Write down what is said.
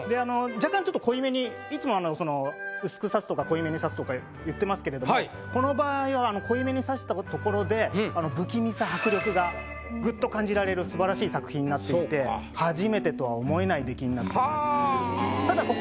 若干ちょっと濃いめにいつも薄く刺すとか濃いめに刺すとか言ってますけれどもこの場合は濃いめに刺したところで不気味さ迫力がぐっと感じられる素晴らしい作品になっていて初めてとは思えない出来になってます。